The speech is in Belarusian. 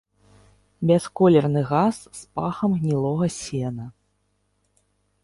Бясколерны газ з пахам гнілога сена.